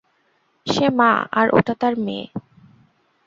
সে মা আর ওটা তার মেয়ে।